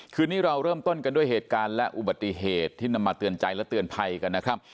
คืนนี้เราเริ่มต้นกันด้วยเหตุการณ์และอุบัติเหตุที่นำมาเตือนใจและเตือนภัยกันนะครับ